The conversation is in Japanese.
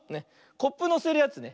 コップのせるやつね。